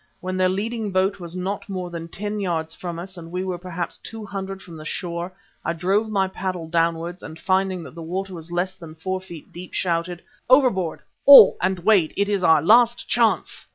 When their leading boat was not more than ten yards from us and we were perhaps two hundred from the shore, I drove my paddle downwards and finding that the water was less than four feet deep, shouted: "Overboard, all, and wade. It's our last chance!"